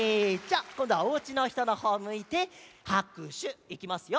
じゃあこんどはおうちのひとのほうむいてはくしゅいきますよ。